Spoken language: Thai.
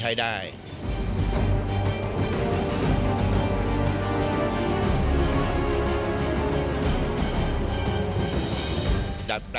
มันไม่ใช่แบบนั้น